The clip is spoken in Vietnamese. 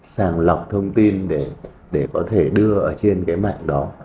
sàng lọc thông tin để có thể đưa ở trên cái mạng đó